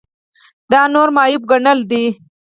دا نورو معیوب ګڼل دي.